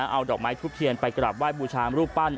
เอาดอกไม้ทุบเทียนไปกราบไห้บูชารูปปั้น